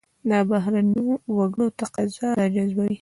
دا بهرنیو وګړو تقاضا راجذبوي.